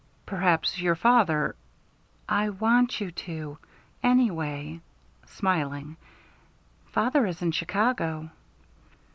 "Perhaps your father " "I want you to. Anyway," smiling, "father is in Chicago."